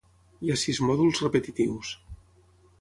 Hi ha sis mòduls repetitius.